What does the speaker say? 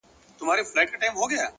حوصله د اوږدو لارو انرژي ده